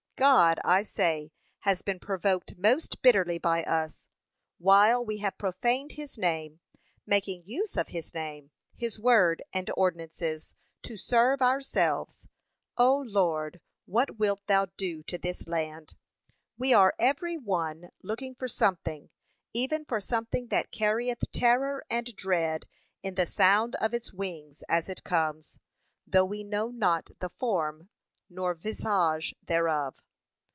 God, I say, has been provoked most bitterly by us, while we have profaned his name, making use of his name, his word, and ordinances, to serve ourselves, '0 Lord, what wilt thou do to this land.' We are every one looking for something; even for something that carrieth terror and dread in the sound of its wings as it comes, though we know not the form nor visage thereof.